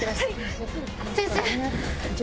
先生！